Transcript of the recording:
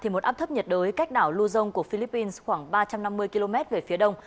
một áp thấp nhiệt đới cách đảo luzon của philippines khoảng ba trăm năm mươi km về phía đông